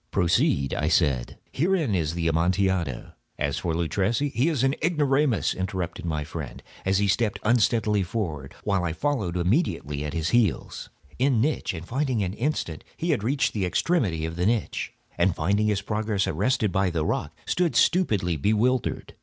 "Proceed," I said; "herein is the Amontillado. As for Luchesi—" "He is an ignoramus," interrupted my friend, as he stepped unsteadily forward, while I followed immediately at his heels. In an instant he had reached the extremity of the niche, and finding his progress arrested by the rock, stood stupidly bewildered.